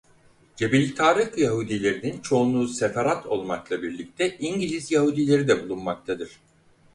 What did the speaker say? Cebelitarık Yahudilerinin çoğunluğu Sefarad olmakla birlikte İngiliz Yahudileri de bulunmaktadır.